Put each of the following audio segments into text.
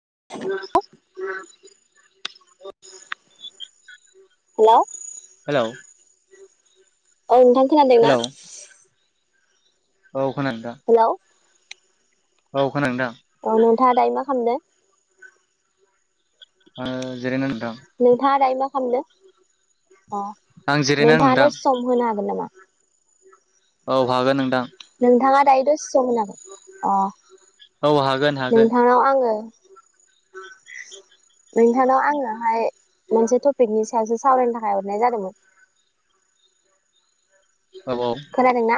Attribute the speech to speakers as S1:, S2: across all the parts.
S1: [unintelligible] Hello
S2: hello
S1: औ नोंथां खोनादों ना?
S2: हेलौ औ खोनादो दा?
S1: हेलौ
S2: औ खोना दा
S1: अ नोंथाङा दायो मा खामदो?
S2: ओ जिरायनानो
S1: नोंथाङा दायो मा खामदो? अ
S2: आं जिरायना दं
S1: नोंथाङा
S2: नोंथां
S1: दसे सम होनो हागोन नामा?
S2: औ हागोन नोंथां।
S1: नोंथाङा दायो दसे सम
S2: औ हागोन हागोन
S1: होनो हागोन नामा अ नोंथांनाव आङो उम स‌ नोंथांनाव आङोहाय मोनसे टपिकनि सायावसो सावरायनो थाखाय हरनाय जादोंमोन। ओ
S2: औ औ
S1: खोनादोंना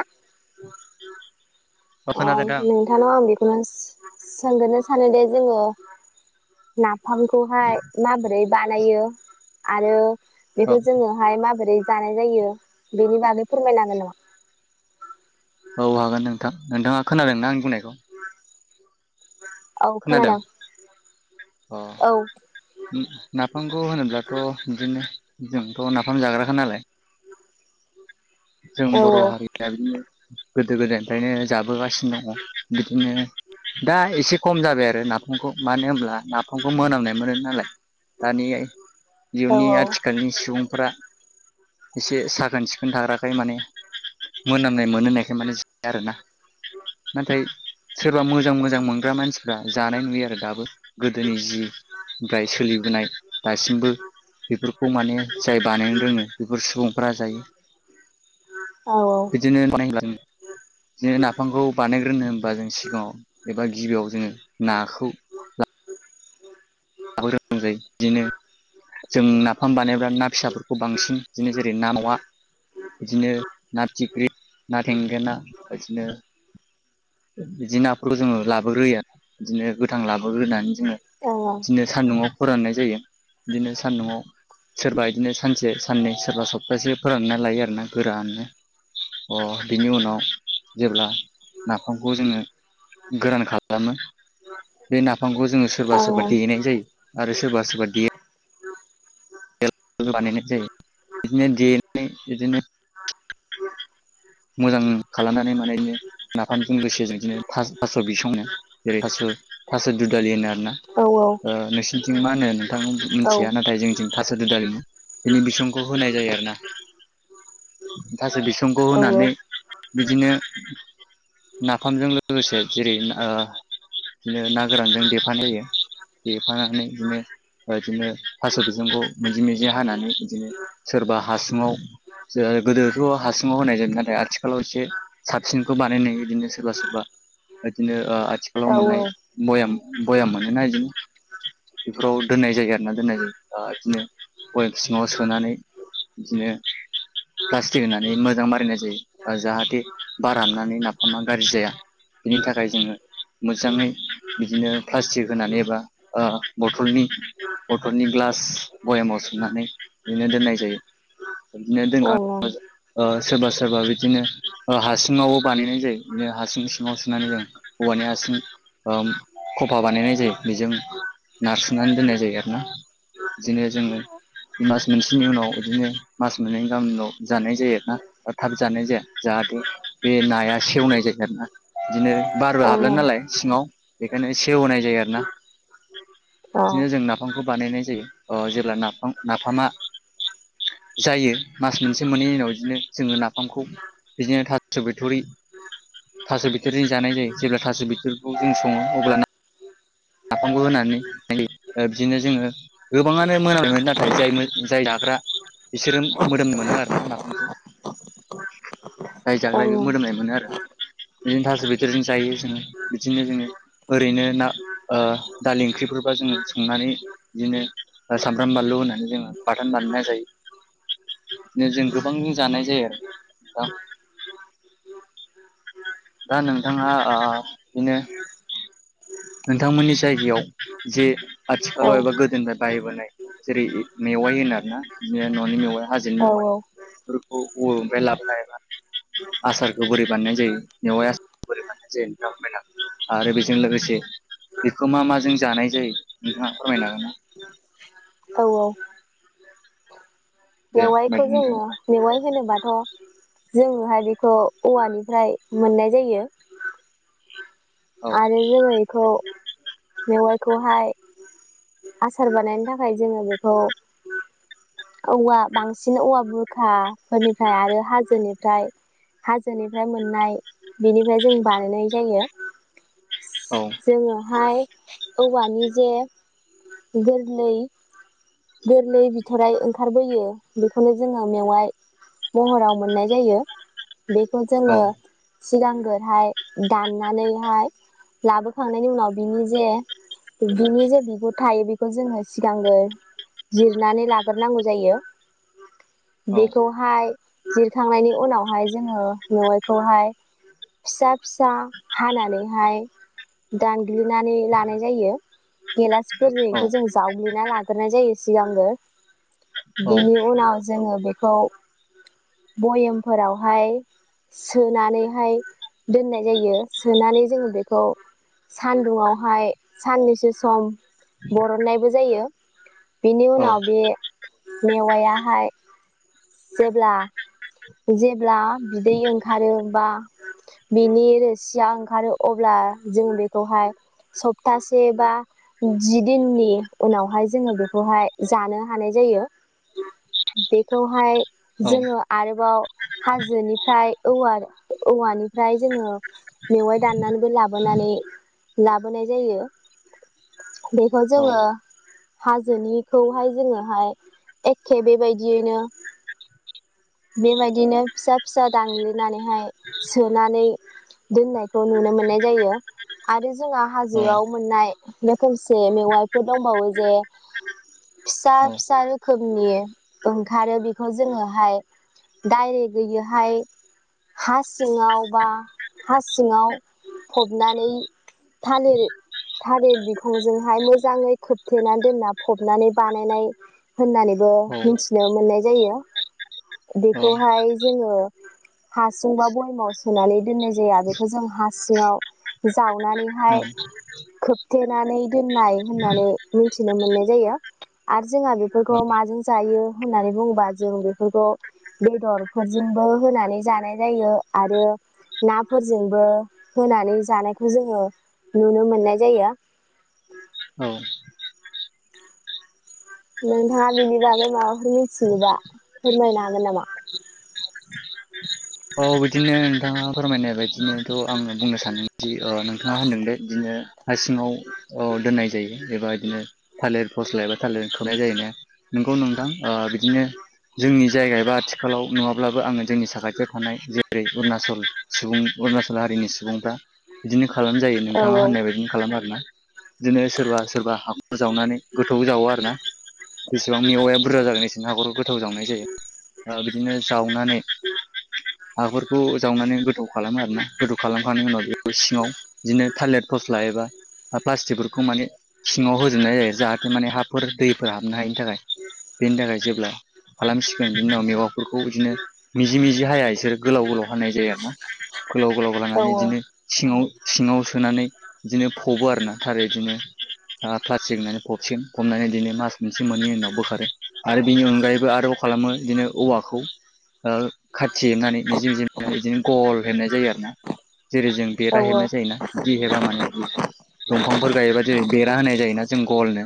S2: औ
S1: ओ ओ
S2: खोनादों
S1: अ
S2: नोंथां
S1: नोंथांनाव आं बेख होनोस सोंग्रोनो सानो दे जोङो ना फांखौहाय माबोरै बानायो आरो
S2: औ
S1: बेखौ जोङोहाय माबोरै जानाय जायो बेनि बागै फोरमायनो हागोन नामा?
S2: औ हागोन नोंथां नोंथाङा खोनादोंना आंनि बुंनायखौ?
S1: [unintelligible] औ खोनादों।
S2: अ
S1: औ
S2: नाफामखौ होनोब्लाथ' बिदिनो जोंथ' नाफाम जाग्राखा नालाय जों
S1: औ
S2: बर'
S1: औ
S2: हारिया बिदिनो [inaudible] गोदो गोदायनिफ्रायनो जाबोगासिनो दङ बिदिनो दा एसे खम जाबाय आरो नाफामखौ मानो होनब्ला नाफामखौ मोनामनाय मोनो। नालाय दानिया इउननि आथिखालनि सुबुंफोरा एसे साखोन सिख थाग्राखाय माने मोनाम नाय मोनो होननायखाय माने स दा आरोना नाथाय सोरबा मोजां मोजां मोनग्रा मानसिफ्रा जानाय नुयो आरो दाबो। गोदोनि जि ओमफ्राय सोलिबोनाय दासिमबो बेफोरखौ माने जाय बानायनो रोङो बेफोर सुबुंफोरा जायो। बिदिनो [unintelligible] नो नाफामखौ बानायग्रोनो होनबा जों सिगाङाव एबा गिबियाव जोङो नाखौ लाबोग्रोनांगौ जायो। बिदिनो जों नाफाम बानायोब्ला ना फिसाफोरखौ बांसिन बिदिनो जेरै ना मावा बिदिनो ना फिथिख्रि, ना थेंगोना बिदिनो। बिदि नाफोरखौ जोङो लाबोग्रोयो आरो बिदिनो गोथां लाब बो ग्रोनानै जोङो बिदिनो सान्दुङाव फोराननाय जायो। बिदिनो सान्दुुंआव सोरबा बिदिनो सानसे साननै सोरबा सप्तासे फोरानना लायो आरोना गोराननो। अ बिनि उनाव जेब्ला नाफामखौ जोङो गोरान खालामो बे नाफामखौ जोङो सोरबा सोरबा देनाय जायो आरो सोरबा सोरबा दे नानै बानायनाय जायो। बिदिनो देनानै बिदिनो मोजां खालामनानै माने बिदिनो नाफामजों लोगोसे जोंदिनो थास थास' बिसंनो जेरै थास' थास' दुदालि होनो आरोना ओ नोंसिनिथिं मा होनो? थां मिथिया नाथाय जोंनिथिं थास' दुदालि बुङो। बिनि बिसंखौ होनाय जायो आरो ना थास' बिसंखौ होना नै बिदिनो नाफामजों लोगोसे जेरै ओ बिदिनो ना गोरानजों देफानाय जायो। देफानानै बिदिनो बिदिनो थास' बिसंखौ मिजि मिजि हानानै बिदिनो सोरबा हासुङाव। सोर गोदोथ' हासुङाव होनाय जायो। ना आथिखालाव एसे साबसिनखौ बानायनाय बिदिनो सोरबा सोरबा बिदिनो ओ आथिखालाव मोननाय
S1: मेवाइखौ
S2: भयाम भयाम मोनोना बिदिनो। बेफोराव दोननाय जायो आरोना दोननाय जायो बिदिनो भयम सिङाव सोनानै बिदिनो प्लास्टिक होनानै मोजां मारिनाय जायो। जाहाथे बार हाबनानै नाफामा गाज्रि जाया। बिनि थाखाय जोङो मोजाङै बिदिनो प्लास्टिक होनानै एबा ओ बथलनि बथलनि ग्लास भयमाव सोमनानै बिदिनो दोननाय जायो। बिदिनो दोनखां ओ सोरबा सोरबा बि दिनो ओ हासिङावबो बानायनाय जायो। बिदिनो हासिं सिङाव सोनानै जों औवानि हासुं ओम खफा बानायनाय जायो। बेजों नारसोननानै दोननाय जायो आरो ना। जोङो जोङो मास मोनसेनि उनाव इदिनो मास मोननैनि गाहामनाव जानाय जायो आरो ना थाब जानाय जाया। जाहाथे बे नाया सेवनाय जायो आरो ना। बिदिनो बारबो हाबला नालाय सिङाव बेखायनो सेवहोनाय जायो आरो ना। बिदिनो जों नाफाम खौ बानायनाय जायो। अ जेब्ला नाफाम नाफामा जायो मास मोनसे मोनैनि उनाव इदिनो जोङो ना फामखौ बिदिनो थास' बिथ'रि थास' बिथ'रिजों जानाय जायो जेब्ला थास' बिथरिखौ जों सङो अब्लाना नाफामखौ होनानै [unintelligible] बिदिनो जोङो गोबाङानो मोनामनाय मोनो। नाथाय जाय जाय जाग्रा बिसोरो मोदोमनाय मोनो आरो ना नाफामखौ। जाय जाग्रा बे मोदोमनाय मोनो आरो। बिदिनो थास' बिथ्रिजों जायो जोङो। बिदिनो जोङो ओरैनो ना ओ दालि ओंख्रिफोरबा जोङो संनानै बिदिनो ओ सामब्राम बानलु होनानै जोङो बाथोन बानायना जायो। बिदिनो जों गोबां जानाय जायो आरो दा नोंथाङा ओ बिनो नोंथांमोननि जायगायाव जे आथिखालाव एबा गोदोनिफ्राय बाहायबोनाय जेरै मेवाइ होनो आरो ना। न'नि मेवाइआ हाजोनि मेवाइ फोरखौ [unintelligible] लाबोनाय एबा आसारखौ बोरै बानायनाय जायो? मेवाइ आसारखौ बोरै बानायनाय जायो? नोंथाङा बुंबाय ना आरो बेजों लोगोसे बेखौ मा माजों जानाय जायो? नोंथाङा फोरमायनो हागोन ना? दे
S1: मेवाइखौ
S2: बायदि नोंथां
S1: जोङो मेवाइ होनोबाथ' जोङोहाय बेखौ औवानिफ्राय मोननाय जायो।
S2: औ
S1: आरो जों इखौ मेवाइखौहाय आसार बानायनो थाखाय जोङो बेखौ औवा बांसिन औवा बुरखाफोरनिफ्राय आरो हाजोनिफ्राय हाजोनिफ्राय मोननाय बेनिफ्राय जों बानायनाय जायो।
S2: औ
S1: जोङोहाय औवानि जे गोरलै गोरलै बिथराय ओंखारबोयो बेखौनो जोङो मेवाइ महराव मोननाय जायो। बेखौ जोङो
S2: औ
S1: सिगांगोरहाय दाननानैहाय लाबोखांनायनि उनाव बिनि जे बिनि जे बिगुर थायो बेखौ जोङो सिगांग्रो जिरनानै लागोर नांगौ जायो।
S2: औ
S1: बेखौहाय जिरखांनायनि उनावहाय जोङो मेवाइखौहाय फिसा फिसा हानानैहाय दानग्लिनानै लानाय जायो।
S2: औ
S1: गेलासफोरजोंखौ जों जावग्लिना लाग्रोनाय जायो। सिगांग्रो
S2: औ
S1: बिनि उनाव जोङो बेखौ बयेमफोरावहाय सोनानैहाय दोननाय जायो सोनानै जोङो बेखौ सानदुंआवहाय साननैसो सम बरननायबो जायो। बेनि
S2: औ
S1: उनाव बे मेवायाहाय जेब्ला जेब्ला बिदै ओंखारो बा बिनि रोसिया ओंखारो अब्ला जों बेखौहाय सप्तासे बा जि दिननि उनावहाय जोङो बेखौहाय जानो हानाय जायो बेखौ खौहाय
S2: औ
S1: जोङो आरोबाव हाजोनिफ्राय औव औवानिफ्राय जोङो मेवाइ दाननानैबो लाबोनानै लाबोनाय जायो बेखौ जोङो हाजोनिखौहाय जोङोहाय एखे बेबायदियैनो बेबायदिनो फिसा-फिसा दान्लिनानैहाय सोनानै दोननायखौ नुनो मोननाय जायो आरो जोंहा हाजोआव मोननाय रोखोमसे मेवाइफोर दंबावो जे फिसा फिसा रोखोमनि ओ खारो बेखौ जोङोहाय डाइरेकयैहाय हा सिङाव बा हा सिङाव फबनानै थालिर थालिर बिखंजोंहाय मोजाङै खोबथेनानै दोनना फबनानै बानायनाय होननानैबो मिथि मिथिनो मोननाय जायो
S2: औ
S1: बेखौहाय जोङो हासुं बा बयमाव सोनानै दोननाय जाया बेखौ जों हा सिङाव जावनानैहाय
S2: औ
S1: खोबथेनानै दोननाय होननानै मिथिनो मोननाय जायो आरो जोंहा बेफोरखौ
S2: औ
S1: माजों जायो। होननानै बुङोबा जों बेफोरखौ बेदरफोरजोंबो होनानै जानाय जायो आरो नाफोरजोंबो होनानै जानायखौ जोङो नुनो मोननाय जायो।
S2: औ
S1: नोंथाङा बिनि बागै माबाफोर मिथियोबा फोरमायनो हागोन नामा?
S2: औ बिदिनो नोंथाङा फोरमायनाय बायदिनोथ' आङो बुंनो सानोदि नोंथाङा होनदोंले बिदिनो हारसिङाव दोननाय जायो एबा बिदिनो थालिर फस्ल एबा खौनाय जायो नंगौ नोंथां बिदिनो जोंनि जायगा ए बा आथिखालाव नङाब्लाबो आङो जोंनि थानाय जेरै अरुणचल सुबुं अरुणचल हारिनि सुबुंफ्रा बिदिनो खालाम जायो
S1: औ
S2: नोंथाङा होननाय बायदिनो खालामो आरोना। बिदिनो सोरबा-सोरबा हाब जावनानै गोथौ जावो आरो ना। जेसेबां मेवाया बुरजा जागोन बेनो हाखरखौ गोथाव जावनाय जायो बिदिनो जावनानै हाफोरखौ जावनानै गोथौ खालामो आरोना गोथौ खालामखांनायनि उनाव बे सिङाव बिदिनो थाललेट फस्ला एबा प्लास्टिकफोरखौ माने सिङाव होजोबनाय जायो जाहाथे माने हाफोर दैफोर हाबनो हायिनि थाखाय बेनि थाखाय जेब्ला खालामसिगोन बेनि उनाव मेवाफोरखौ बिदिनो मि जि मि जि हाया बिसोरो गोलाव गोलाव हानाय जायो आरो ना। गोलाव गोलाव
S1: औ
S2: लानानै बिदिनो सिङाव सिङाव सोनानै बिदिनो फबो आरोना थारै बिदिनो प्लास्टिक होननानै फबसिगन फबनानै बिदिनो मास मोनसे मोननै उनाव बोखारो आरो बिनि अनगायैबो आरोबाव खालामो बिदिनो औवाखौ। खाथि हेबनानै निजि मिजिनानै बिदिनो गल हेबनाय जायो आरो ना। जेरै जों
S1: औ
S2: बेरा हेबनाय जायो ना बिदि हेबा माने। दंफांफोर गायोबा जेरै बेरा होनाय जायोना जों गलनो।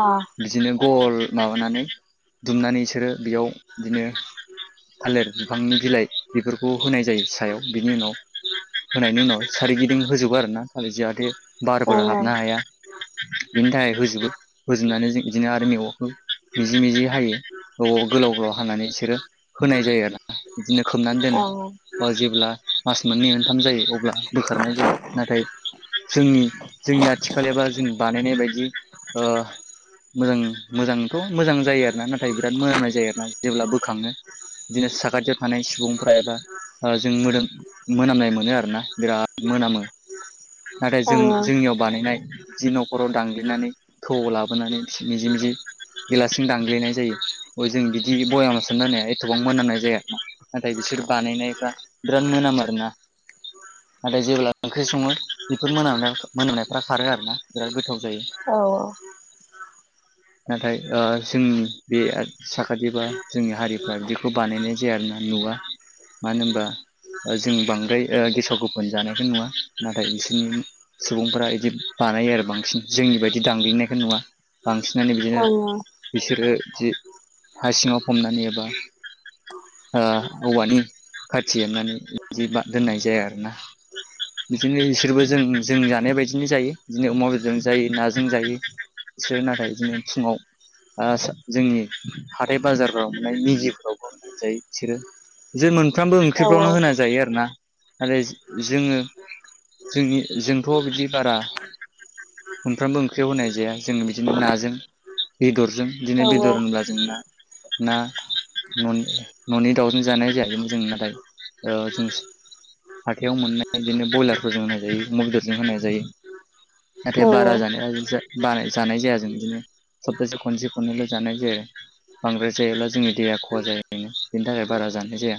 S1: औ
S2: बिदिनो गल माबानानै दुमनानै बिसोरो बेयाव बिदिनो थालिर बिफांनि बिलाइ बेफोरखौ होनाय जायो सायाव बिनि उनाव होनायनि उनाव सोरगिदिं होजोबो आरो ना थालिर जाहाथे
S1: अ
S2: बारफोर हाबनो
S1: ओं
S2: हाया बिनि थाखाय होजोबो होजोबनानै जों बिदिनो आरो मेगंखौ मिजि मिजि हायो गोलाव गोलाव हनानै सोर होनाय जायो आरोना बिदिनो खोमनानै दोनो
S1: ओं
S2: ओ जेब्ला मास मोननै मोनथाम जायो अब्ला बोखारनाय जायो नाथाय जोंनि जोंनि आथिखालबा जों बानायनाय बायदि ओ मोजां मोजांथ' मोजां जायो आरो ना नाथाय बिराद मोनामनाय जायो आरोना जेब्ला बो खांयो बिदिनो साखाथियाव थानाय सुबुंफ्रा एबा जों मोदोम मोनामनाय मोनो आरोना बिराद मोनामो। नाथाय जों
S1: ओं
S2: जोंनियाव बानायनाय जि न'खराव दांगग्लिनानै थौआव लाबोनानै मिजि मिजि गिलासजों दांग्लिनाय जायो जों बिदि बयामाव सोना होनाय एथ'बां मोनामनाय जाया आरोना नाथाय बिसोर बानायनायफ्रा बिराद मोनामो आर ना नाथाय जेब्ला ओंख्रि सङो बेफोर मोन मोनामनायफ्रा खारो आरो ना बिराद गोथाव जायो
S1: औ औ।
S2: नाथाय जोंनि बे साखाथि बा जोंनि हारि बिदिखौ बानायनाय जाया आरोना नुवा मानो होनबा जों बांद्राय गेसाव गोफोन जानायखौ नुवा नाथाय बिसोरनि सुबुंफोरा बिदि बानायो आरो बांसिन जोंनि बायदि दांलिंनायखौ नुवा बांसिनानो बिदिनो
S1: ओं औ ओं ओं
S2: बिसोरो जि हा सिङाव फबनानै एबा ओ औवानि खाथि हेबनानै बिदि दोननाय जाया आरोना बिदिनो बिसोरबो जों जों जानाय बायदिनो जायो बिदिनो अमा बेदरजों जायो नाजों जायो बिसोरो नाथाय बिदिनो फुङाव जोंनि हाथाय बाजारफ्राव मे मेजि औ औ बिसोरो जे मोन फ्रामबो
S1: औ
S2: ओंख्रिफ्रावनो होना जायो आरो ना। आरो जोङो जोंनि जोंथ' बिदि बारा मोनफ्रोमबो ओंख्रियाव होनाय जाया जोंङो बिदिनो नाजों बेदर जों दिनै
S1: औ
S2: बेदर होनब्ला जोंना ना ननि ननि दाउजों जानाय जाया बिनो जों नाथाय ओ जों हाथायाव मोननाय बिदिनो बयलारफोरजों होनाय जायो, अमा बेदरजों होनाय जायो नाथाय
S1: औ
S2: बारा जानाया जा बानाय जानाय जाया जों बिदिनो सप्तासे खनसे खननैल' जानाय जायो, बांद्राय जायोब्ला जोंनि देहा ख खहा जायो बेनि थाखाय बारा जानाय जाया,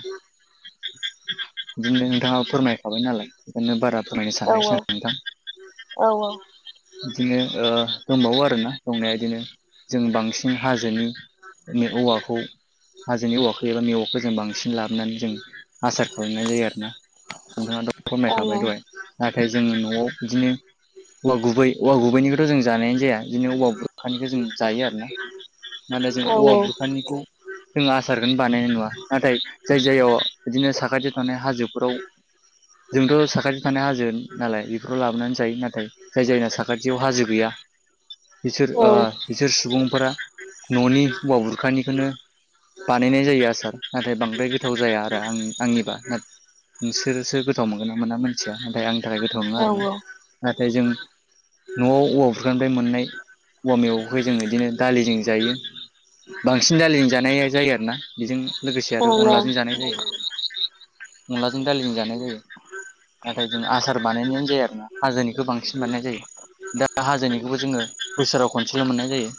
S2: बिदिनो नोंथाङा फोरमायखाबाय नालाय बेखायनो बारा फोरमायनो
S1: औ
S2: सानाखिसै आं नोंथां
S1: औ औ औ।
S2: बिदिनो ओ दंबावो आरोना दंनाया इदिनो जों बांसिन हाजोनि औवाखौ हाजोनि औवाखो एबा मेवाखो जों बांसिन लाबोनानै जों आसार खालामनाय जायो आरो ना नोंथाङाथ' फोरमायखाबाय
S1: ओं
S2: दहाय। नाथाय जोंङो न'आव बिदिनो औवा गुबै औवा गुबैनिखौथ' जों जानायानो जाया बिदिनो औवा बुरखानिखौ जों जायो आरो ना नाथाय जों
S1: ओं औ
S2: औवा
S1: औ
S2: बुरखानिखौ जों आसारखोनो बानायनाय नुवा। नाथाय जाय जाययाव बिदिनो साखाथि थानाय हाजोफोराव जोंथ साखाथि थानाय हाजो नालाय बेफोराव लाबोनानै जायो नाथाय जाय जायना साखाथियाव हाजो गैया बिसोर
S1: औ
S2: ओ बिसोर सुबुंफोरा ननि औवा बुरखानिखोनो बानायनाय जायो आसार नाथाय बांद्राय गोथाव जाया आरो आं आंनिबा नोंसोरसो गोथाव मोनगोन ना मोना मानथिया नाथाय आंनि थाखाय गोथाव नङा आरोना।
S1: औ औ
S2: नाथाय जों न'आव औवा बुरखानिफ्राय मोननाय औवा मेगंखौ जोंङो बिदिनो दालिजों जायो बांसिन दालिजों जानाया जायो आरोना बिजों लोगोसे आरो
S1: ओं ओं
S2: अनलाजों जानाय जायो। अनलाजों दालिजों जानाय जायो नाथाय जों आसार बानायनायानो जाया आरो ना। हाजोनिखो बांसिन बानायनाय जायो, दा हाजोनिखौबो जोङो बोसोराव खनसेल मोननाय जायो।